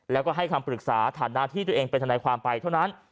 แล้วก็ให้คำปรึกษาฐานะที่ตัวเองเป็นทนายความไปเท่านั้น